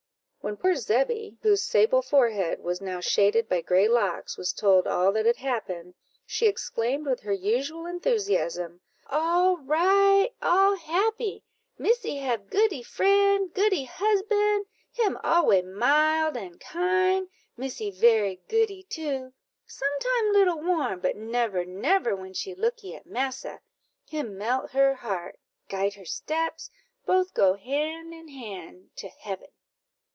When poor Zebby, whose sable forehead was now shaded by gray locks, was told all that had happened, she exclaimed with her usual enthusiasm, "All right all happy Missy have goodee friend, goodee husban him alway mild and kind; Missy very goodee too some time little warm, but never, never when she lookee at massa; him melt her heart, guide her steps, both go hand in hand to heaven."